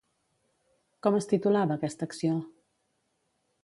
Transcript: Com es titulava aquesta acció?